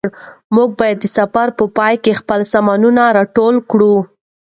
موږ باید د سفر په پای کې خپل سامانونه راټول کړو.